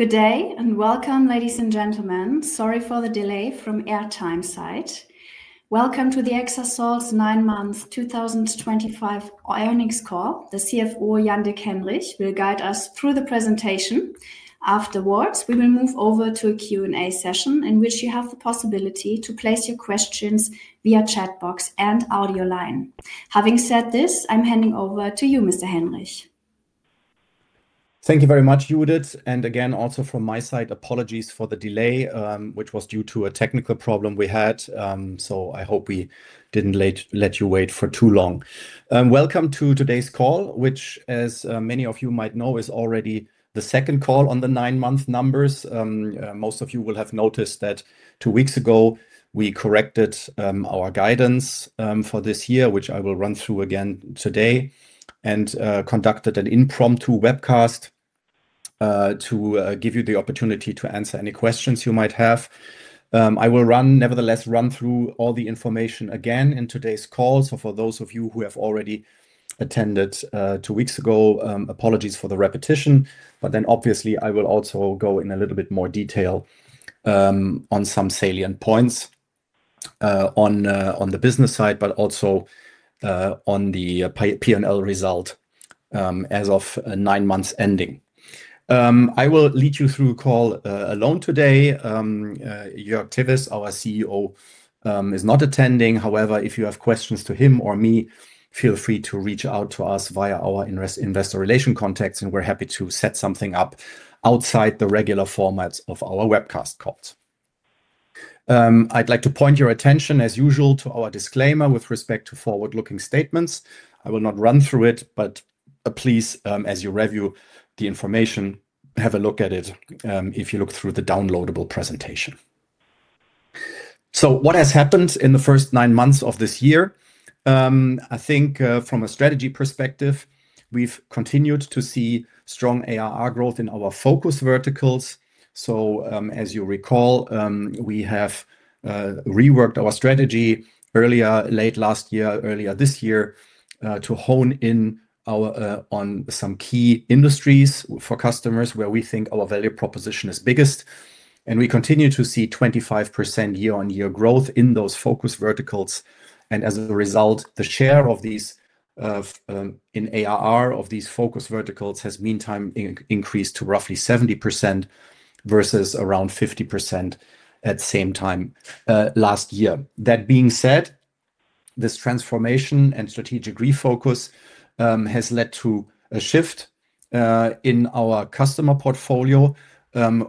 Good day and welcome, ladies and gentlemen. Sorry for the delay from airtime side. Welcome to Exasol's nine month 2025 earnings call. The CFO, Jan-Dirk Henrich, will guide us through the presentation. Afterwards, we will move over to a Q&A session in which you have the possibility to place your questions via chat box and audio line. Having said this, I'm handing over to you, Mr. Henrich. Thank you very much, Judith. Also from my side, apologies for the delay, which was due to a technical problem we had, I hope we did not let you wait for too long. Welcome to today's call, which, as many of you might know, is already the second call on the nine month numbers. Most of you will have noticed that two weeks ago we corrected our guidance for this year, which I will run through again today, and conducted an impromptu webcast to give you the opportunity to answer any questions you might have. I will nevertheless run through all the information again in today's call. For those of you who have already attended two weeks ago, apologies for the repetition. Obviously, I will also go in a little bit more detail on some salient points on the business side, but also on the P&L result as of nine months ending. I will lead you through a call alone today, Jörg Tewes, our CEO, is not attending. However, if you have questions to him or me, feel free to reach out to us via our Investor Relations contacts, and we're happy to set something up outside the regular formats of our webcast calls. I'd like to point your attention, as usual, to our disclaimer with respect to forward-looking statements. I will not run through it, but please, as you review the information, have a look at it if you look through the downloadable presentation. What has happened in the first nine months of this year? I think from a strategy perspective, we've continued to see strong ARR growth in our focus verticals. As you recall, we have reworked our strategy earlier late last year, earlier this year, to hone in on some key industries for customers where we think our value proposition is biggest. We continue to see 25% year-on-year growth in those focus verticals. As a result, the share of these in ARR of these focus verticals has meantime increased to roughly 70% versus around 50% at the same time last year. That being said, this transformation and strategic refocus has led to a shift in our customer portfolio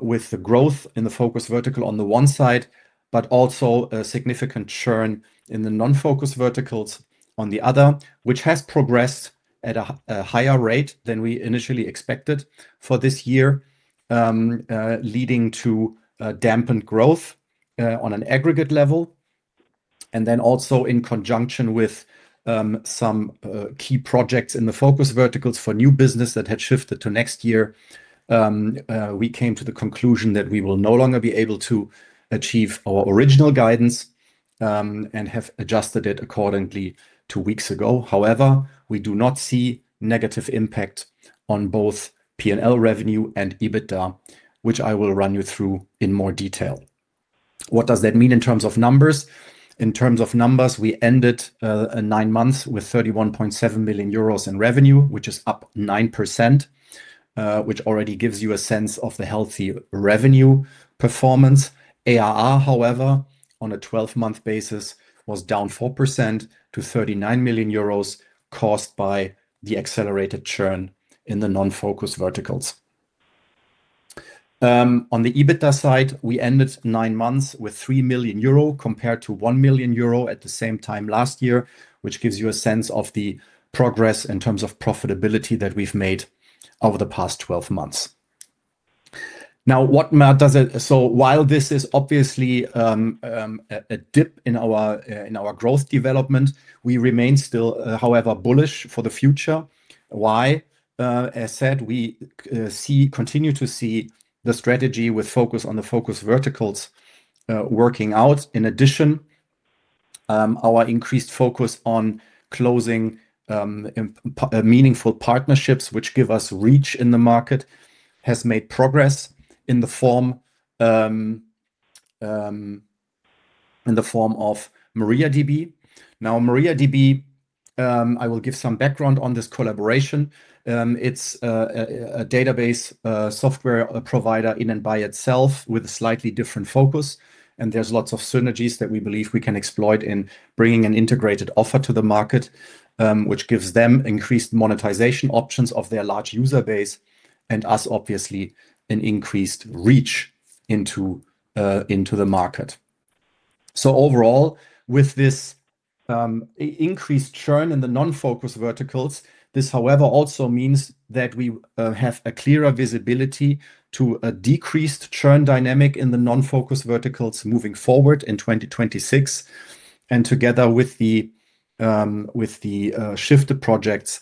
with the growth in the focus vertical on the one side, but also a significant churn in the non-focus verticals on the other, which has progressed at a higher rate than we initially expected for this year, leading to dampened growth on an aggregate level. In conjunction with some key projects in the focus verticals for new business that had shifted to next year, we came to the conclusion that we will no longer be able to achieve our original guidance and have adjusted it accordingly two weeks ago. However, we do not see negative impact on both P&L revenue and EBITDA, which I will run you through in more detail. What does that mean in terms of numbers? In terms of numbers, we ended nine months with 31.7 million euros in revenue, which is up 9%, which already gives you a sense of the healthy revenue performance. ARR, however, on a twelve-month basis was down 4% to 39 million euros caused by the accelerated churn in the non-focus verticals. On the EBITDA side, we ended nine months with 3 million euro compared to 1 million euro at the same time last year, which gives you a sense of the progress in terms of profitability that we've made over the past twelve months. Now, what matters? While this is obviously a dip in our growth development, we remain still, however, bullish for the future. Why? As said, we continue to see the strategy with focus on the focus verticals working out. In addition, our increased focus on closing meaningful partnerships, which give us reach in the market, has made progress in the form of MariaDB. Now, MariaDB, I will give some background on this collaboration. It's a database software provider in and by itself with a slightly different focus. And there's lots of synergies that we believe we can exploit in bringing an integrated offer to the market, which gives them increased monetization options of their large user base and us, obviously, an increased reach into the market. Overall, with this increased churn in the non-focus verticals, this, however, also means that we have a clearer visibility to a decreased churn dynamic in the non-focus verticals moving forward in 2026. Together with the shifted projects,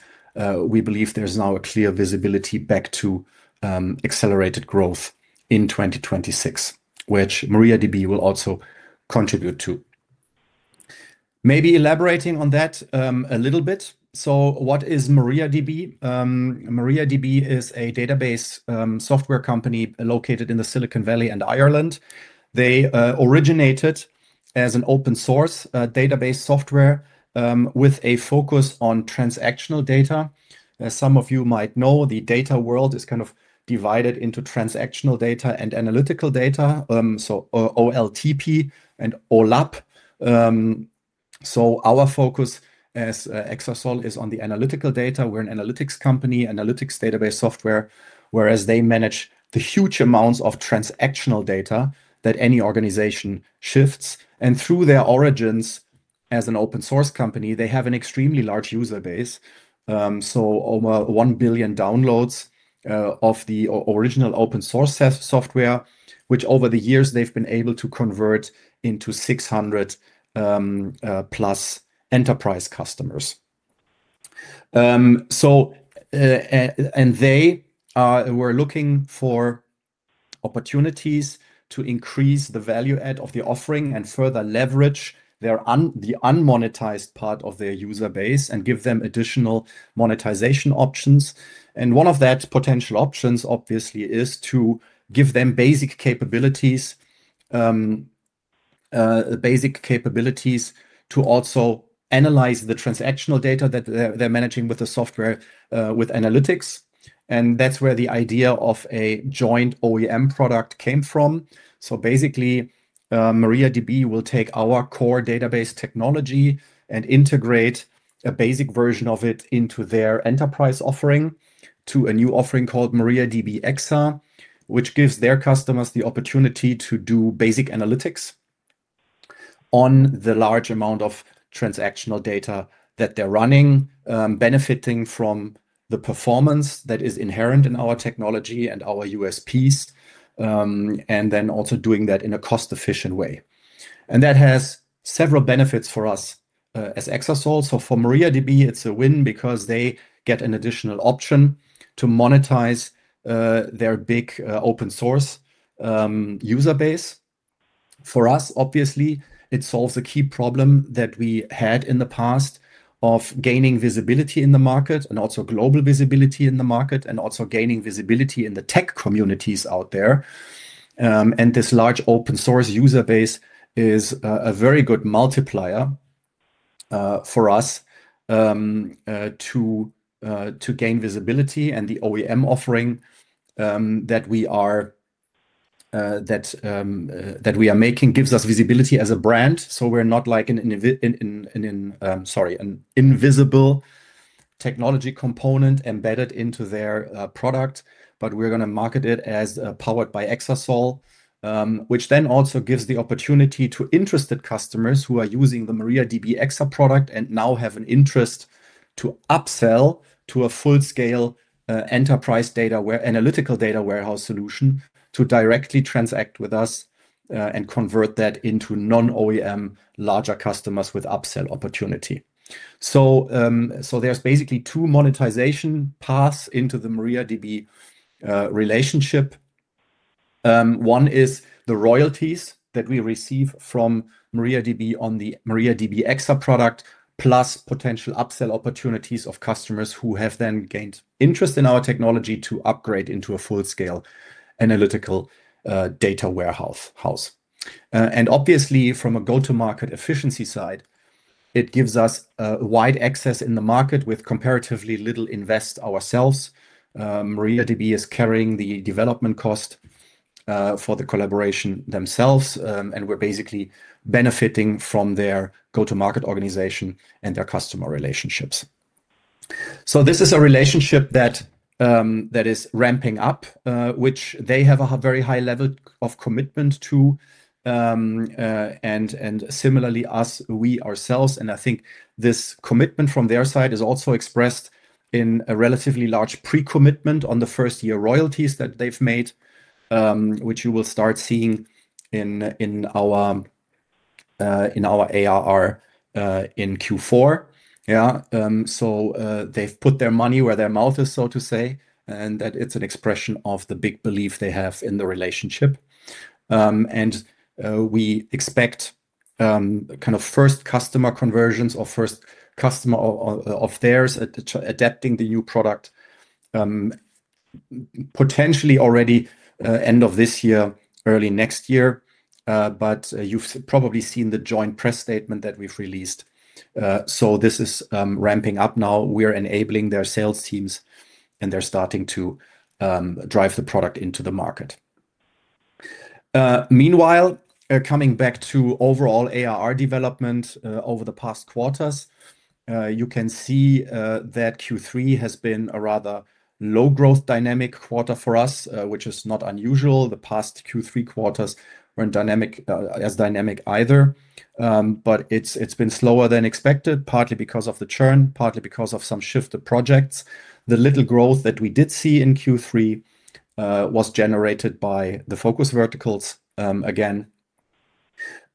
we believe there's now a clear visibility back to accelerated growth in 2026, which MariaDB will also contribute to. Maybe elaborating on that a little bit. What is MariaDB? MariaDB is a database software company located in Silicon Valley and Ireland. They originated as an open-source database software with a focus on transactional data. As some of you might know, the data world is kind of divided into transactional data and analytical data, so OLTP and OLAP. Our focus as Exasol is on the analytical data. We're an analytics company, analytics database software, whereas they manage the huge amounts of transactional data that any organization shifts. Through their origins as an open-source company, they have an extremely large user base, so over 1 billion downloads of the original open-source software, which over the years they've been able to convert into 600+ enterprise customers. They were looking for opportunities to increase the value add of the offering and further leverage the unmonetized part of their user base and give them additional monetization options. One of those potential options, obviously, is to give them basic capabilities to also analyze the transactional data that they're managing with the software with analytics. That is where the idea of a joint OEM product came from. Basically, MariaDB will take our core database technology and integrate a basic version of it into their enterprise offering to a new offering called MariaDB Exa, which gives their customers the opportunity to do basic analytics on the large amount of transactional data that they're running, benefiting from the performance that is inherent in our technology and our USPs, and then also doing that in a cost-efficient way. That has several benefits for us as Exasol. For MariaDB, it's a win because they get an additional option to monetize their big open-source user base. For us, obviously, it solves a key problem that we had in the past of gaining visibility in the market and also global visibility in the market and also gaining visibility in the tech communities out there. This large open-source user base is a very good multiplier for us to gain visibility. The OEM offering that we are making gives us visibility as a brand. We're not like an invisible technology component embedded into their product, but we're going to market it as powered by Exasol, which then also gives the opportunity to interested customers who are using the MariaDB Exa product and now have an interest to upsell to a full-scale enterprise data analytical data warehouse solution to directly transact with us and convert that into non-OEM larger customers with upsell opportunity. There's basically two monetization paths into the MariaDB relationship. One is the royalties that we receive from MariaDB on the MariaDB Exa product plus potential upsell opportunities of customers who have then gained interest in our technology to upgrade into a full-scale analytical data warehouse house. Obviously, from a go-to-market efficiency side, it gives us wide access in the market with comparatively little invest ourselves. MariaDB is carrying the development cost for the collaboration themselves, and we're basically benefiting from their go-to-market organization and their customer relationships. This is a relationship that is ramping up, which they have a very high level of commitment to. Similarly, us, we ourselves. I think this commitment from their side is also expressed in a relatively large pre-commitment on the first-year royalties that they've made, which you will start seeing in our ARR in Q4. Yeah. They've put their money where their mouth is, so to say, and that is an expression of the big belief they have in the relationship. We expect kind of first customer conversions or first customer of theirs adapting the new product potentially already end of this year, early next year. You've probably seen the joint press statement that we've released. This is ramping up now. We're enabling their sales teams, and they're starting to drive the product into the market. Meanwhile, coming back to overall ARR development over the past quarters, you can see that Q3 has been a rather low-growth dynamic quarter for us, which is not unusual. The past Q3 quarters were not as dynamic either, but it's been slower than expected, partly because of the churn, partly because of some shifted projects. The little growth that we did see in Q3 was generated by the focus verticals, again.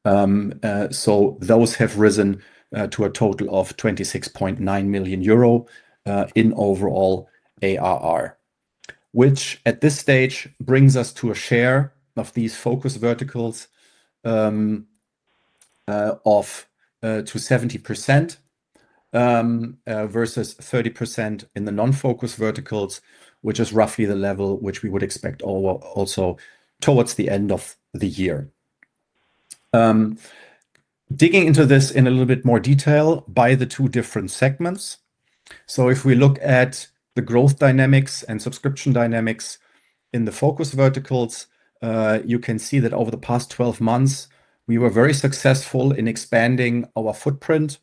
Those have risen to a total of 26.9 million euro in overall ARR, which at this stage brings us to a share of these focus verticals of 70% versus 30% in the non-focus verticals, which is roughly the level which we would expect also towards the end of the year. Digging into this in a little bit more detail by the two different segments. If we look at the growth dynamics and subscription dynamics in the focus verticals, you can see that over the past 12 months, we were very successful in expanding our footprint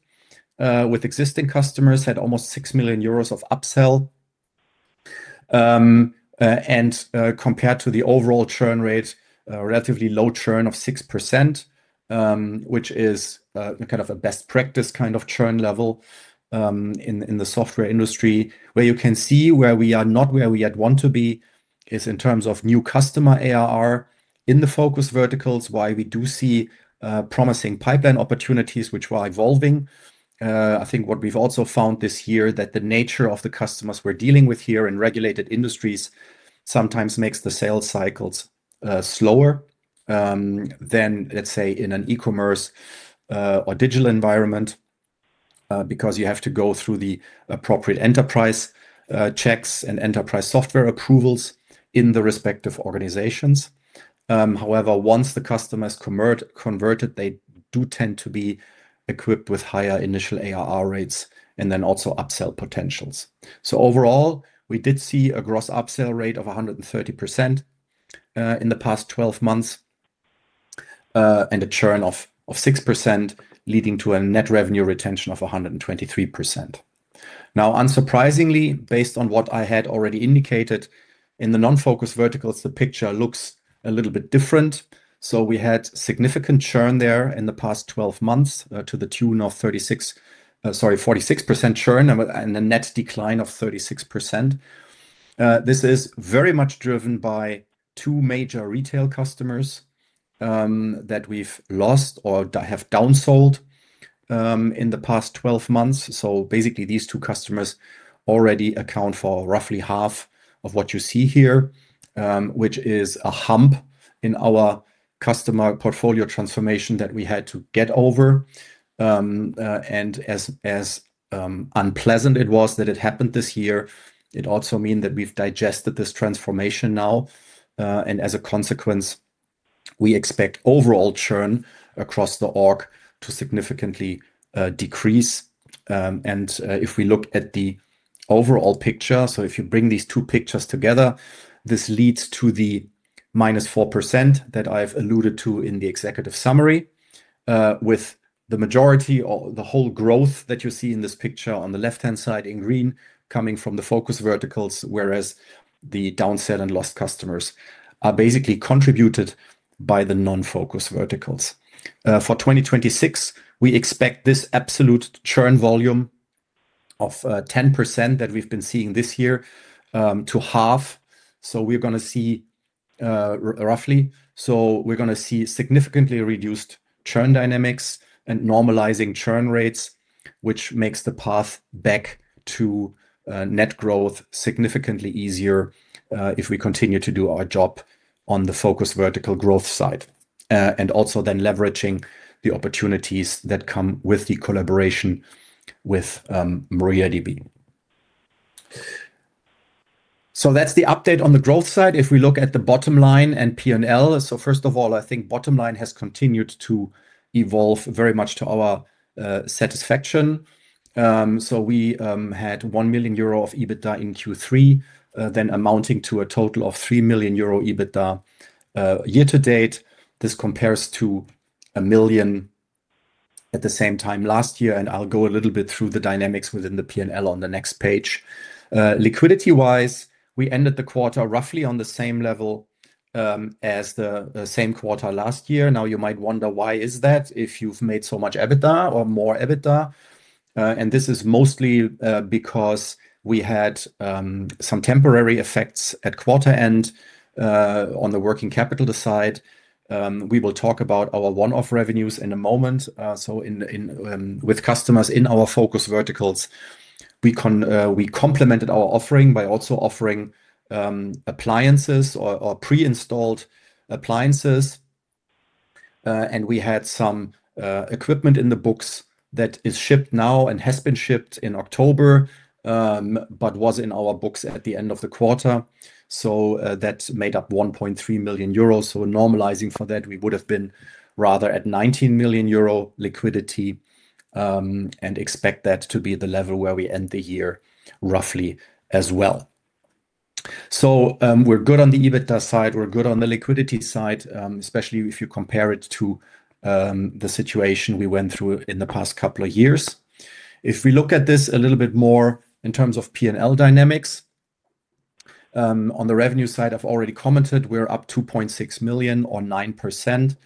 with existing customers, had almost 6 million euros of upsell. Compared to the overall churn rate, relatively low churn of 6%, which is kind of a best practice kind of churn level in the software industry. Where you can see where we are not where we had want to be is in terms of new customer ARR in the focus verticals, why we do see promising pipeline opportunities, which were evolving. I think what we've also found this year is that the nature of the customers we're dealing with here in regulated industries sometimes makes the sales cycles slower than, let's say, in an e-commerce or digital environment because you have to go through the appropriate enterprise checks and enterprise software approvals in the respective organizations. However, once the customer is converted, they do tend to be equipped with higher initial ARR rates and then also upsell potentials. Overall, we did see a gross upsell rate of 130% in the past 12 months and a churn of 6%, leading to a net revenue retention of 123%. Unsurprisingly, based on what I had already indicated in the non-focus verticals, the picture looks a little bit different. We had significant churn there in the past 12 months to the tune of 46% churn and a net decline of 36%. This is very much driven by two major retail customers that we've lost or have downsold in the past 12 months. Basically, these two customers already account for roughly half of what you see here, which is a hump in our customer portfolio transformation that we had to get over. As unpleasant as it was that it happened this year, it also means that we've digested this transformation now. As a consequence, we expect overall churn across the org to significantly decrease. If we look at the overall picture, if you bring these two pictures together, this leads to the -4% that I've alluded to in the executive summary with the majority or the whole growth that you see in this picture on the left-hand side in green coming from the focus verticals, whereas the downsell and lost customers are basically contributed by the non-focus verticals. For 2026, we expect this absolute churn volume of 10% that we've been seeing this year to half. We are going to see significantly reduced churn dynamics and normalizing churn rates, which makes the path back to net growth significantly easier if we continue to do our job on the focus vertical growth side and also then leveraging the opportunities that come with the collaboration with MariaDB. That is the update on the growth side. If we look at the bottom line and P&L, first of all, I think bottom line has continued to evolve very much to our satisfaction. We had 1 million euro of EBITDA in Q3, then amounting to a total of 3 million euro EBITDA year-to-date. This compares to 1 million at the same time last year. I'll go a little bit through the dynamics within the P&L on the next page. Liquidity-wise, we ended the quarter roughly on the same level as the same quarter last year. You might wonder, why is that if you've made so much EBITDA or more EBITDA? This is mostly because we had some temporary effects at quarter end on the working capital side. We will talk about our one-off revenues in a moment. With customers in our focus verticals, we complemented our offering by also offering appliances or pre-installed appliances. We had some equipment in the books that is shipped now and has been shipped in October but was in our books at the end of the quarter. That made up 1.3 million euros. Normalizing for that, we would have been rather at 19 million euro liquidity and expect that to be the level where we end the year roughly as well. We are good on the EBITDA side. We are good on the liquidity side, especially if you compare it to the situation we went through in the past couple of years. If we look at this a little bit more in terms of P&L dynamics, on the revenue side, I have already commented we are up 2.6 million or 9%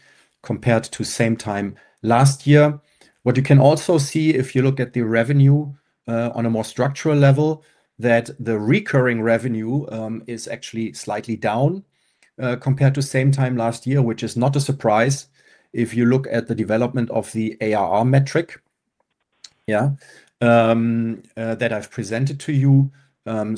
compared to same time last year. What you can also see if you look at the revenue on a more structural level, that the recurring revenue is actually slightly down compared to same time last year, which is not a surprise if you look at the development of the ARR metric, yeah, that I've presented to you. We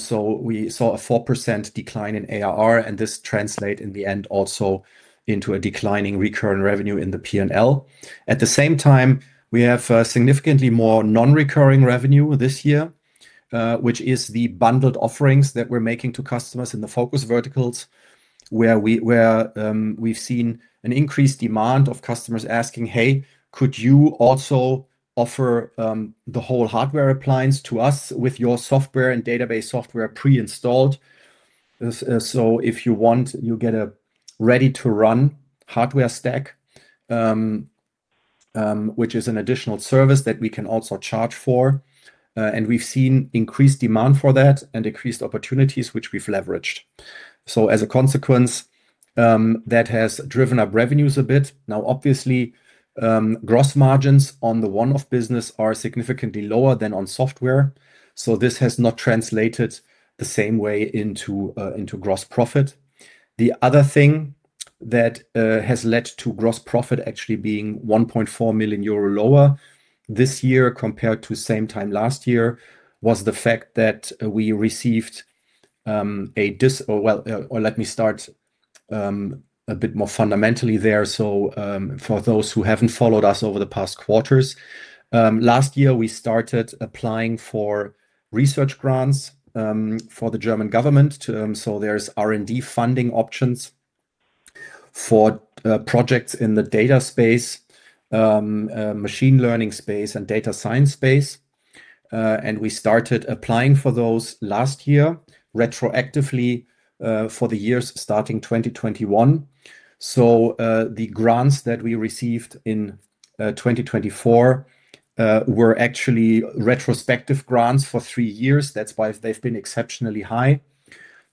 saw a 4% decline in ARR, and this translates in the end also into a declining recurring revenue in the P&L. At the same time, we have significantly more non-recurring revenue this year, which is the bundled offerings that we're making to customers in the focus verticals, where we've seen an increased demand of customers asking, "Hey, could you also offer the whole hardware appliance to us with your software and database software pre-installed?" If you want, you get a ready-to-run hardware stack, which is an additional service that we can also charge for. We have seen increased demand for that and increased opportunities, which we have leveraged. As a consequence, that has driven up revenues a bit. Obviously, gross margins on the one-off business are significantly lower than on software. This has not translated the same way into gross profit. The other thing that has led to gross profit actually being 1.4 million euro lower this year compared to the same time last year was the fact that we received a, or let me start a bit more fundamentally there. For those who have not followed us over the past quarters, last year, we started applying for research grants from the German government. There are R&D funding options for projects in the data space, machine learning space, and data science space. We started applying for those last year retroactively for the years starting 2021. The grants that we received in 2024 were actually retrospective grants for three years. That is why they have been exceptionally high.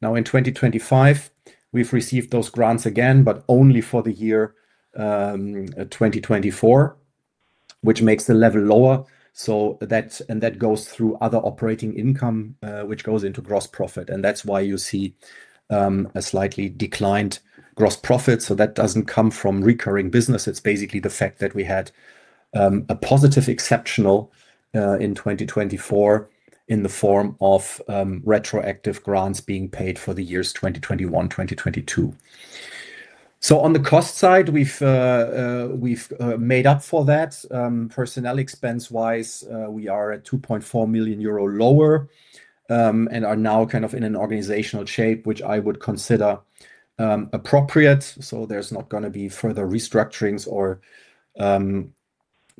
In 2025, we have received those grants again, but only for the year 2024, which makes the level lower. That goes through other operating income, which goes into gross profit. That is why you see a slightly declined gross profit. That does not come from recurring business. It is basically the fact that we had a positive exceptional in 2024 in the form of retroactive grants being paid for the years 2021, 2022. On the cost side, we have made up for that. Personnel expense-wise, we are at 2.4 million euro lower and are now kind of in an organizational shape, which I would consider appropriate. There is not going to be further restructurings or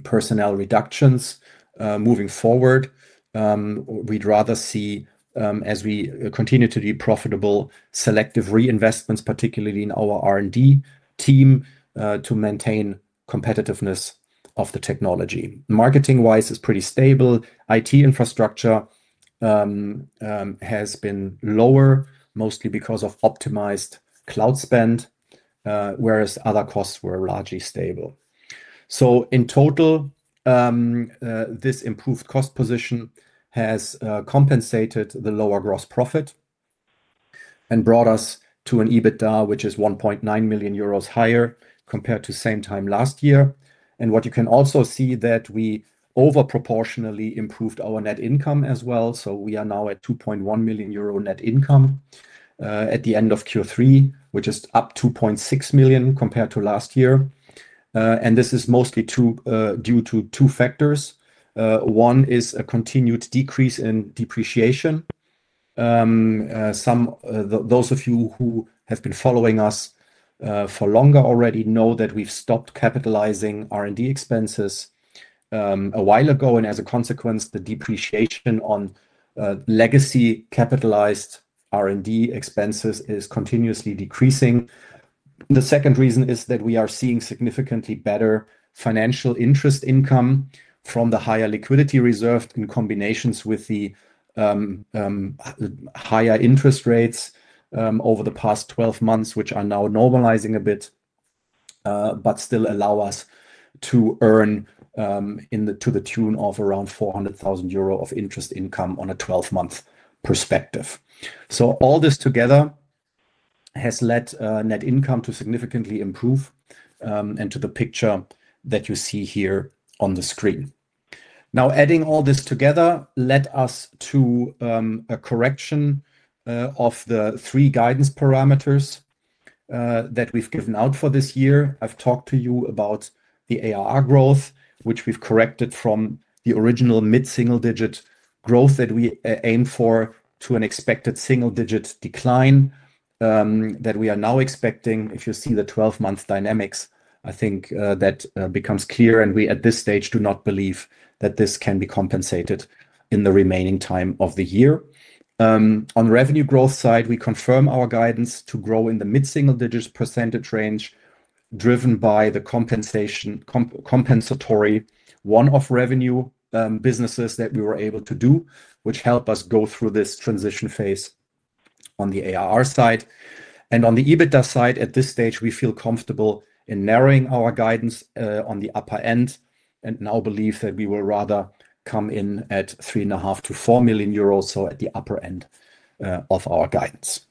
personnel reductions moving forward. We'd rather see, as we continue to be profitable, selective reinvestments, particularly in our R&D team, to maintain competitiveness of the technology. Marketing-wise, it's pretty stable. IT infrastructure has been lower, mostly because of optimized cloud spend, whereas other costs were largely stable. In total, this improved cost position has compensated the lower gross profit and brought us to an EBITDA, which is 1.9 million euros higher compared to same time last year. What you can also see is that we overproportionally improved our net income as well. We are now at 2.1 million euro net income at the end of Q3, which is up 2.6 million compared to last year. This is mostly due to two factors. One is a continued decrease in depreciation. Those of you who have been following us for longer already know that we've stopped capitalizing R&D expenses a while ago. As a consequence, the depreciation on legacy capitalized R&D expenses is continuously decreasing. The second reason is that we are seeing significantly better financial interest income from the higher liquidity reserved in combination with the higher interest rates over the past 12 months, which are now normalizing a bit, but still allow us to earn to the tune of around 400,000 euro of interest income on a 12-month perspective. All this together has led net income to significantly improve and to the picture that you see here on the screen. Now, adding all this together led us to a correction of the three guidance parameters that we have given out for this year. I have talked to you about the ARR growth, which we have corrected from the original mid-single-digit growth that we aimed for to an expected single-digit decline that we are now expecting. If you see the 12-month dynamics, I think that becomes clear. We, at this stage, do not believe that this can be compensated in the remaining time of the year. On the revenue growth side, we confirm our guidance to grow in the mid-single-digit % range, driven by the compensatory one-off revenue businesses that we were able to do, which helped us go through this transition phase on the ARR side. On the EBITDA side, at this stage, we feel comfortable in narrowing our guidance on the upper end and now believe that we will rather come in at 3.5 million-4 million euros, at the upper end of our guidance.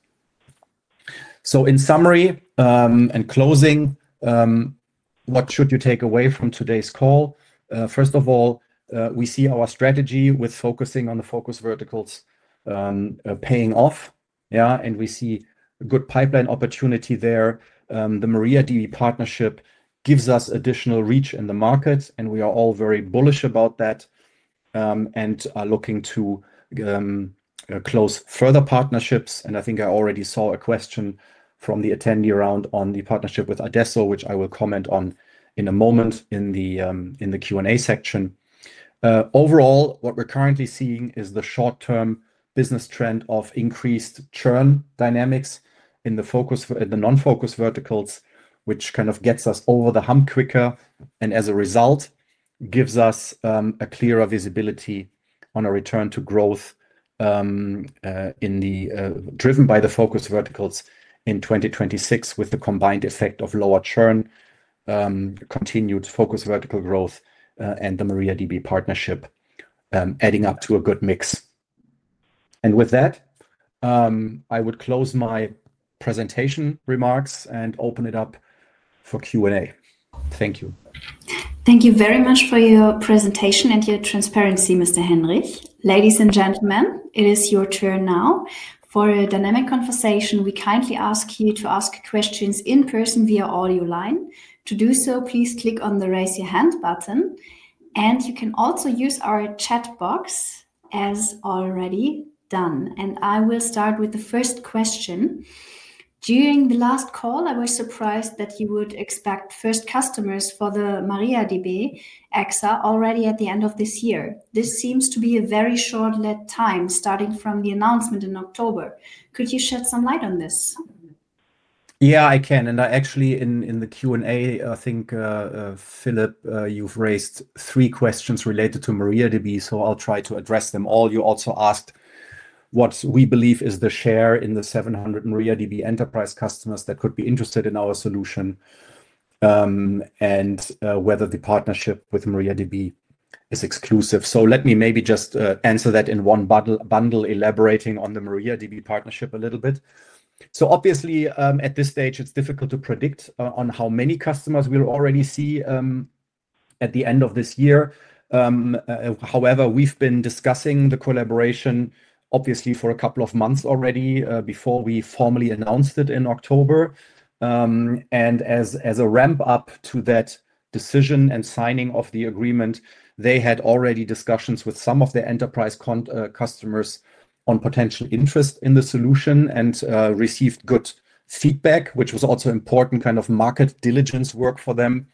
In summary and closing, what should you take away from today's call? First of all, we see our strategy with focusing on the focus verticals paying off. Yeah, and we see a good pipeline opportunity there. The MariaDB partnership gives us additional reach in the market, and we are all very bullish about that and are looking to close further partnerships. I think I already saw a question from the attendee round on the partnership with Adesso, which I will comment on in a moment in the Q&A section. Overall, what we're currently seeing is the short-term business trend of increased churn dynamics in the non-focus verticals, which kind of gets us over the hump quicker and, as a result, gives us a clearer visibility on a return to growth driven by the focus verticals in 2026, with the combined effect of lower churn, continued focus vertical growth, and the MariaDB partnership adding up to a good mix. With that, I would close my presentation remarks and open it up for Q&A. Thank you. Thank you very much for your presentation and your transparency, Mr. Henrich. Ladies and gentlemen, it is your turn now. For a dynamic conversation, we kindly ask you to ask questions in person via audio line. To do so, please click on the raise your hand button. You can also use our chat box as already done. I will start with the first question. During the last call, I was surprised that you would expect first customers for the MariaDB Exa already at the end of this year. This seems to be a very short lead time starting from the announcement in October. Could you shed some light on this? Yeah, I can. Actually, in the Q&A, I think, Philipp, you have raised three questions related to MariaDB, so I will try to address them all. You also asked what we believe is the share in the 700 MariaDB enterprise customers that could be interested in our solution and whether the partnership with MariaDB is exclusive. Let me maybe just answer that in one bundle, elaborating on the MariaDB partnership a little bit. Obviously, at this stage, it's difficult to predict on how many customers we'll already see at the end of this year. However, we've been discussing the collaboration, obviously, for a couple of months already before we formally announced it in October. As a ramp-up to that decision and signing of the agreement, they had already discussions with some of their enterprise customers on potential interest in the solution and received good feedback, which was also important kind of market diligence work for them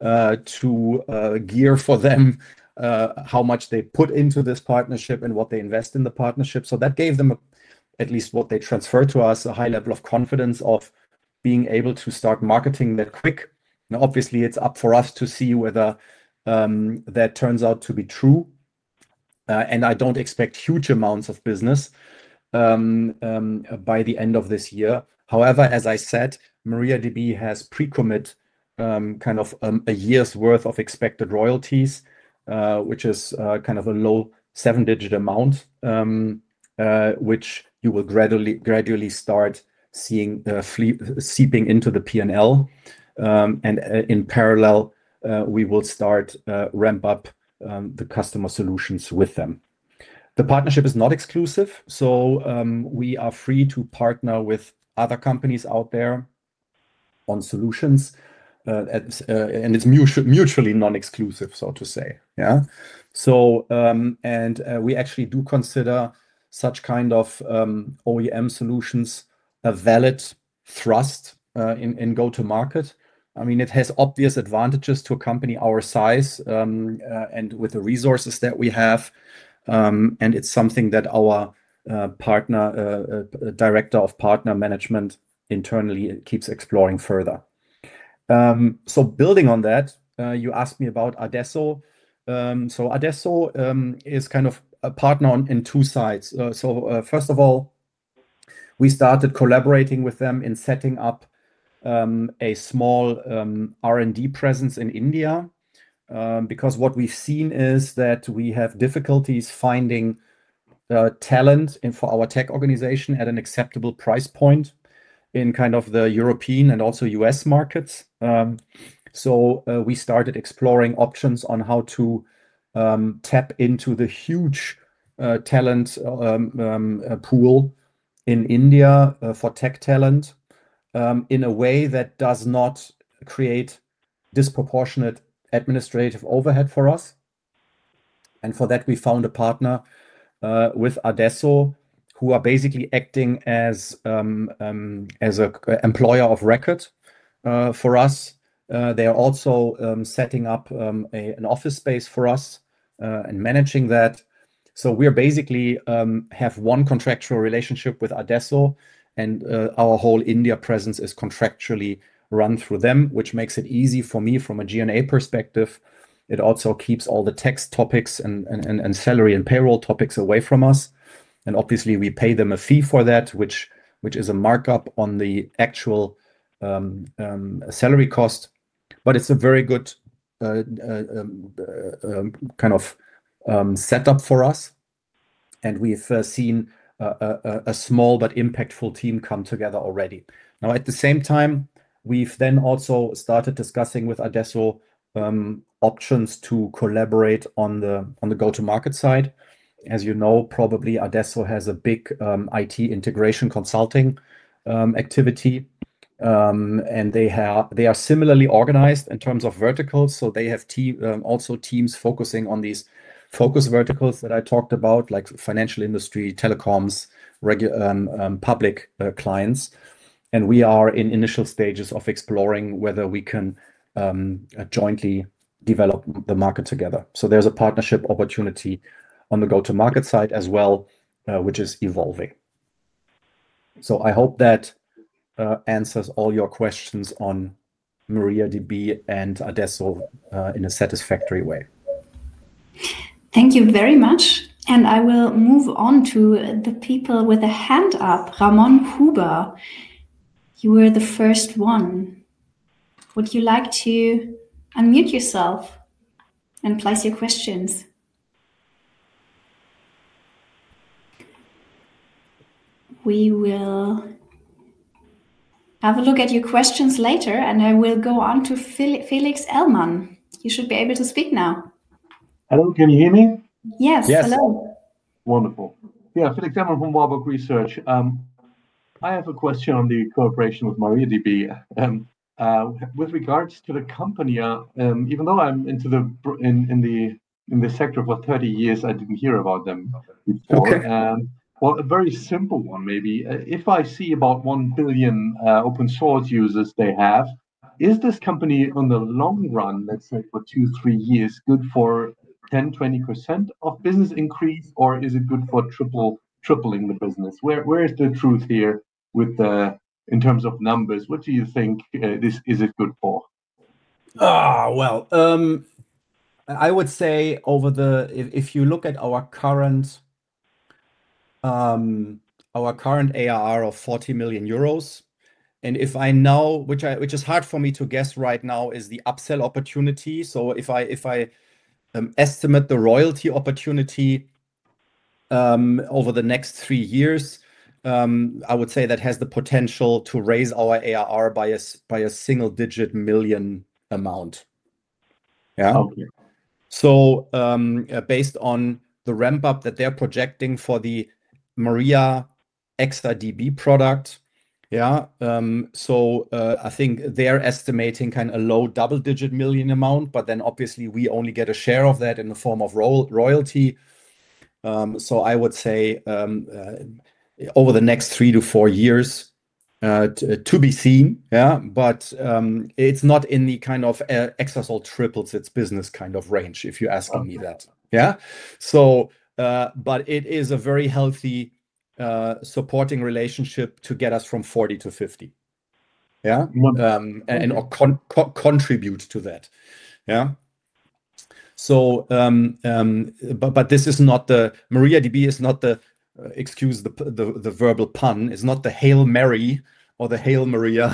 to gear for them how much they put into this partnership and what they invest in the partnership. That gave them, at least what they transferred to us, a high level of confidence of being able to start marketing that quick. Now, obviously, it is up for us to see whether that turns out to be true. I do not expect huge amounts of business by the end of this year. However, as I said, MariaDB has pre-commit kind of a year's worth of expected royalties, which is kind of a low seven-digit amount, which you will gradually start seeing seeping into the P&L. In parallel, we will start ramp-up the customer solutions with them. The partnership is not exclusive, so we are free to partner with other companies out there on solutions. It is mutually non-exclusive, so to say. Yeah. We actually do consider such kind of OEM solutions a valid thrust in go-to-market. I mean, it has obvious advantages to a company our size and with the resources that we have. It is something that our director of partner management internally keeps exploring further. Building on that, you asked me about Adesso. Adesso is kind of a partner on two sides. First of all, we started collaborating with them in setting up a small R&D presence in India because what we have seen is that we have difficulties finding talent for our tech organization at an acceptable price point in kind of the European and also U.S. markets. We started exploring options on how to tap into the huge talent pool in India for tech talent in a way that does not create disproportionate administrative overhead for us. For that, we found a partner with Adesso who are basically acting as an employer of record for us. They are also setting up an office space for us and managing that. We basically have one contractual relationship with Adesso, and our whole India presence is contractually run through them, which makes it easy for me from a G&A perspective. It also keeps all the tax topics and salary and payroll topics away from us. Obviously, we pay them a fee for that, which is a markup on the actual salary cost. It is a very good kind of setup for us. We have seen a small but impactful team come together already. Now, at the same time, we've then also started discussing with Adesso options to collaborate on the go-to-market side. As you know, probably Adesso has a big IT integration consulting activity. They are similarly organized in terms of verticals. They have also teams focusing on these focus verticals that I talked about, like financial industry, telecoms, public clients. We are in initial stages of exploring whether we can jointly develop the market together. There is a partnership opportunity on the go-to-market side as well, which is evolving. I hope that answers all your questions on MariaDB and Adesso in a satisfactory way. Thank you very much. I will move on to the people with a hand-up, Ramon Huber. You were the first one. Would you like to unmute yourself and place your questions? We will have a look at your questions later, and I will go on to Felix Ellmann. You should be able to speak now. Hello. Can you hear me? Yes. Hello. Wonderful. Yeah, Felix Ellmann from Warburg Research. I have a question on the cooperation with MariaDB with regards to the company even though I'm in the sector for 30 years, I didn't hear about them before. A very simple one maybe. If I see about 1 billion open-source users they have, is this company on the long run, let's say for two, three years, good for 10%, 20% of business increase, or is it good for tripling the business? Where is the truth here in terms of numbers? What do you think this is good for? I would say if you look at our current ARR of 40 million euros, and if I know, which is hard for me to guess right now, is the upsell opportunity. If I estimate the royalty opportunity over the next three years, I would say that has the potential to raise our ARR by a single-digit million amount. Yeah. Based on the ramp-up that they're projecting for the MariaDB Exa product, yeah, I think they're estimating kind of a low double-digit million amount, but then obviously, we only get a share of that in the form of royalty. I would say over the next three to four years, to be seen. Yeah, but it's not in the kind of Exasol triples its business kind of range, if you're asking me that. Yeah. It is a very healthy supporting relationship to get us from 40 million-50 million, yeah, and contribute to that. Yeah. This is not the MariaDB, excuse the verbal pun, it's not the Hail Mary or the Hail Maria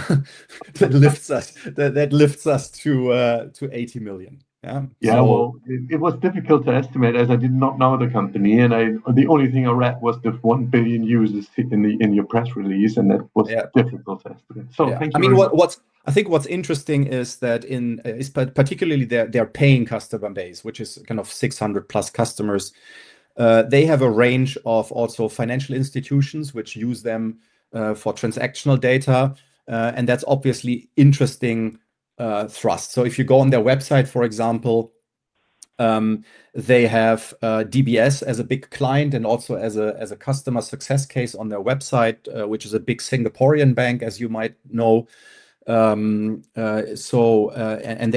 that lifts us to 80 million. Yeah. It was difficult to estimate as I did not know the company. The only thing I read was the 1 billion users in your press release, and that was difficult to estimate. Thank you. I mean, I think what's interesting is that in particularly their paying customer base, which is kind of 600+ customers, they have a range of also financial institutions which use them for transactional data. That's obviously interesting thrust. If you go on their website, for example, they have DBS as a big client and also as a customer success case on their website, which is a big Singaporean bank, as you might know. They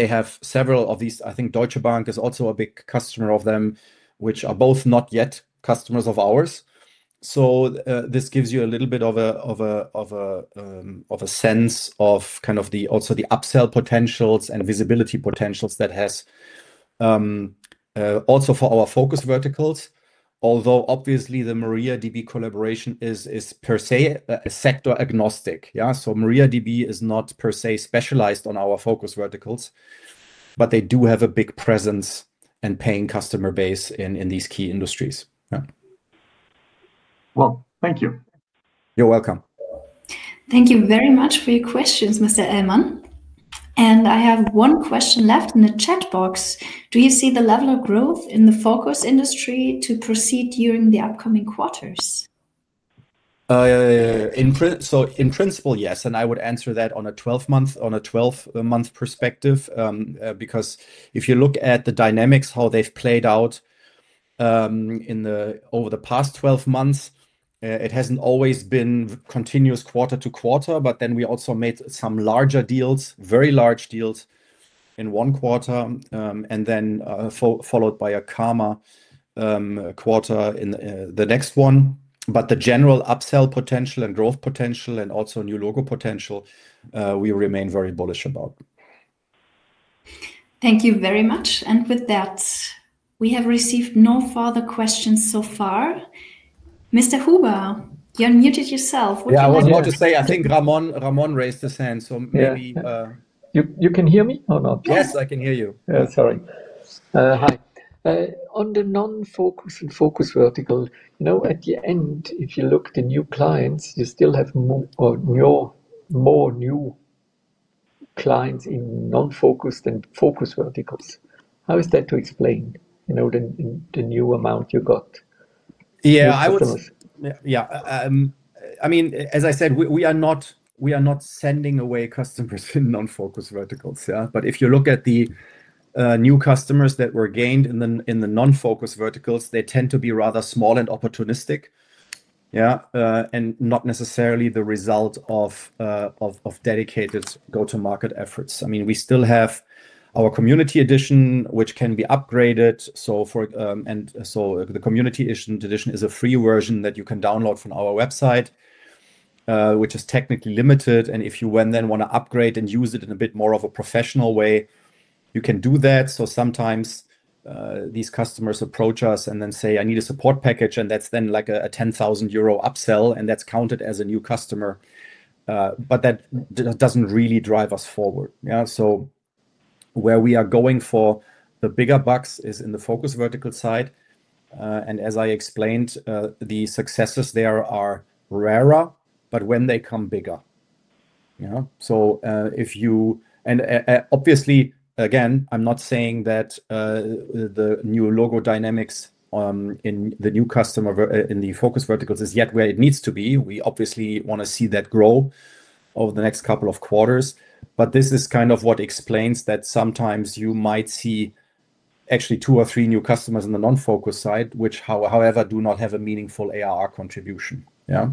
have several of these. I think Deutsche Bank is also a big customer of them, which are both not yet customers of ours. This gives you a little bit of a sense of kind of also the upsell potentials and visibility potentials that has also for our focus verticals. Although obviously, the MariaDB collaboration is per se sector agnostic. Yeah. MariaDB is not per se specialized on our focus verticals, but they do have a big presence and paying customer base in these key industries. Yeah. Thank you. You're welcome. Thank you very much for your questions, Mr. Ellmann. I have one question left in the chat box. Do you see the level of growth in the focus industry to proceed during the upcoming quarters? In principle, yes. I would answer that on a 12-month perspective because if you look at the dynamics, how they've played out over the past 12 months, it has not always been continuous quarter-to-quarter, but we also made some larger deals, very large deals in one quarter, and then followed by a calmer quarter in the next one. The general upsell potential and growth potential and also new logo potential, we remain very bullish about. Thank you very much. With that, we have received no further questions so far. Mr. Huber, you unmuted yourself. Yeah, I was about to say, I think Ramon raised his hand, so maybe. You can hear me or not? Yes, I can hear you. Sorry. Hi. On the non-focus and focus vertical, at the end, if you look at the new clients, you still have more new clients in non-focused and focused verticals. How is that to explain the new amount you got? Yeah, I would. I mean, as I said, we are not sending away customers in non-focused verticals. Yeah. If you look at the new customers that were gained in the non-focused verticals, they tend to be rather small and opportunistic, and not necessarily the result of dedicated go-to-market efforts. I mean, we still have our community edition, which can be upgraded. The community edition is a free version that you can download from our website, which is technically limited. If you then want to upgrade and use it in a bit more of a professional way, you can do that. Sometimes these customers approach us and then say, "I need a support package," and that is then like a 10,000 euro upsell, and that is counted as a new customer. That does not really drive us forward. Yeah. Where we are going for the bigger bucks is in the focus vertical side. As I explained, the successes there are rarer, but when they come, bigger. Yeah. Obviously, again, I am not saying that the new logo dynamics in the new customer in the focus verticals is yet where it needs to be. We obviously want to see that grow over the next couple of quarters. This is kind of what explains that sometimes you might see actually two or three new customers in the non-focus side, which, however, do not have a meaningful ARR contribution. Yeah.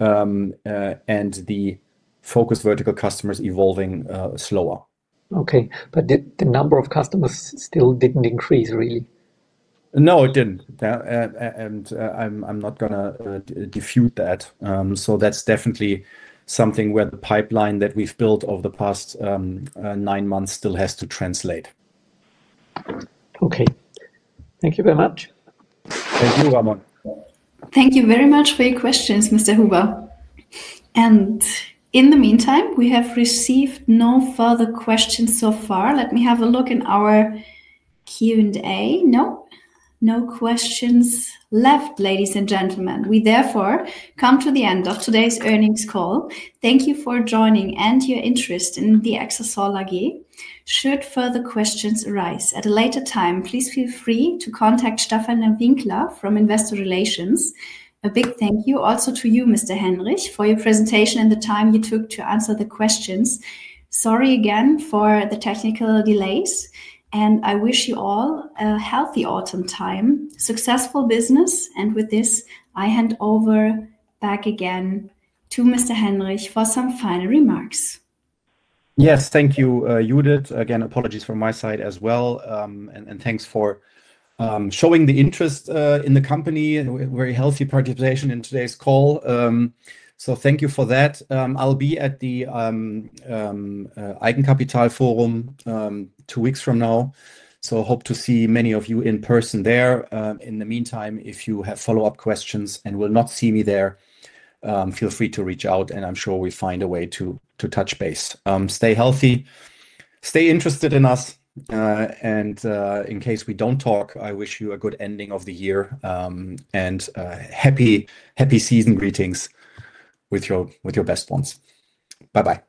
The focus vertical customers evolving slower. Okay. The number of customers still did not increase, really? No, it did not. I am not going to dispute that. That is definitely something where the pipeline that we have built over the past nine months still has to translate. Okay. Thank you very much. Thank you, Ramon. Thank you very much for your questions, Mr. Huber. In the meantime, we have received no further questions so far. Let me have a look in our Q&A. No, no questions left, ladies and gentlemen. We therefore come to the end of today's earnings call. Thank you for joining and your interest in Exasol AG. Should further questions arise at a later time, please feel free to contact Stefan Winkler from Investor Relations. A big thank you also to you, Mr. Henrich, for your presentation and the time you took to answer the questions. Sorry again for the technical delays. I wish you all a healthy autumn time, successful business. With this, I hand over back again to Mr. Henrich for some final remarks. Yes, thank you, Judith. Again, apologies from my side as well. Thanks for showing the interest in the company. Very healthy participation in today's call. Thank you for that. I'll be at the Eigenkapital Forum two weeks from now. I hope to see many of you in person there. In the meantime, if you have follow-up questions and will not see me there, feel free to reach out, and I'm sure we find a way to touch base. Stay healthy, stay interested in us. In case we don't talk, I wish you a good ending of the year and happy season greetings with your best ones. Bye-bye.